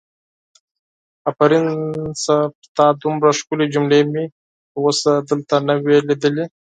آفرین سه پر تا دومره ښکلې جملې مې تر اوسه دلته نه وي لیدلې!